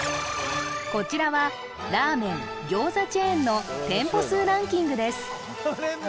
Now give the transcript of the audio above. こちらはラーメン餃子チェーンの店舗数ランキングです